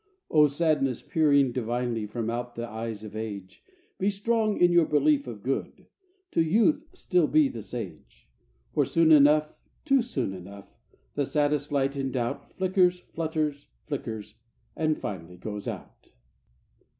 O Sadness peering divinely From out the eyes of age, Be strong in your belief of good. To youth — still be the sage. For soon enough, Too soon enough, The saddest light in doubt, Flickers, flutters, flickers, And finally goes out.